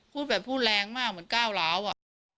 พูดแบบพูดแรงมากเหมือนก้าวร้าวอะ